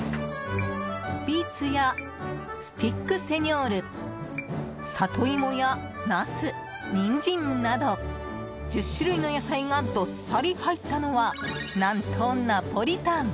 ビーツやスティックセニョールサトイモやナス、ニンジンなど１０種類の野菜がどっさり入ったのは何とナポリタン。